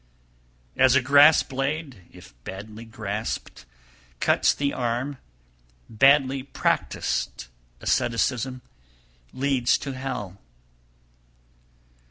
311. As a grass blade, if badly grasped, cuts the arm, badly practised asceticism leads to hell.